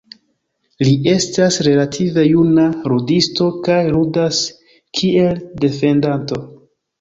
Li estas relative juna ludisto kaj ludas kiel defendanto.